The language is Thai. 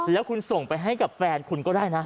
แล้วคุณส่งไปให้กับแฟนคุณก็ได้นะ